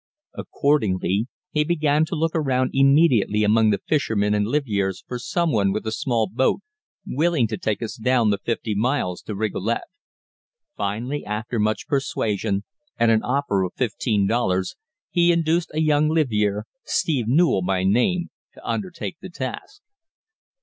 Accordingly, he began to look around immediately among the fishermen and livyeres for someone with a small boat willing to take us down the fifty miles to Rigolet. Finally, after much persuasion and an offer of fifteen dollars, he induced a young livyere, Steve Newell by name, to undertake the task.